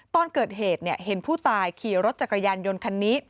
ตอนเกิดเหตุเห็นผู้ตายขี่รถจักรยานยนต์คันนี้